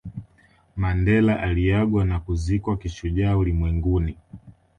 Mandela aliagwa na kuzikwa kishujaa ulimwenguni